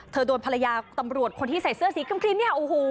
โดนภรรยาตำรวจคนที่ใส่เสื้อสีครีมเนี่ยโอ้โห